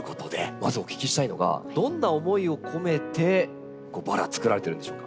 まずお聞きしたいのがどんな思いを込めてバラをつくられてるんでしょうか？